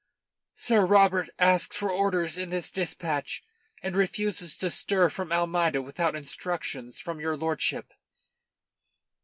"Sir Robert asks for orders in this dispatch, and refuses to stir from Almeida without instructions from your lordship."